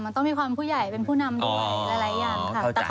มันต้องมีความผู้ใหญ่เป็นผู้นำด้วยหลายอย่างค่ะ